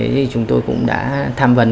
thì chúng tôi cũng đã tham vấn